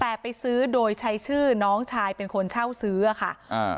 แต่ไปซื้อโดยใช้ชื่อน้องชายเป็นคนเช่าซื้ออ่ะค่ะอ่า